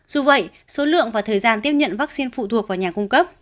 dù vậy số lượng và thời gian tiếp nhận vắc xin phụ thuộc vào nhà cung cấp